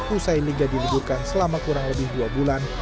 usai liga diliburkan selama kurang lebih dua bulan